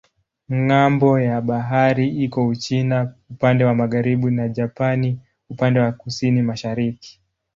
Ng'ambo ya bahari iko Uchina upande wa magharibi na Japani upande wa kusini-mashariki.